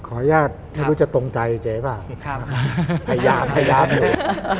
ขออนุญาตถ้ารู้จะตรงใจเจ๊บ้างพยายามเลย